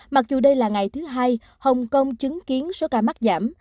mặc dù đây là ngày thứ hai hồng kông chứng kiến số ca mắc giảm